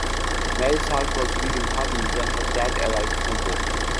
Mary’s heart was beating hardly when her dad arrived from work.